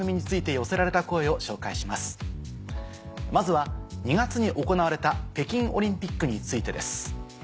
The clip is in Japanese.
まずは２月に行われた北京オリンピックについてです。